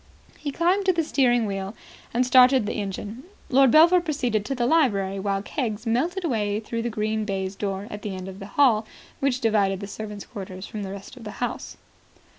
He climbed to the steering wheel, and started the engine. Lord Belpher proceeded to the library, while Keggs melted away through the green baize door at the end of the hall which divided the servants' quarters from the rest of the house.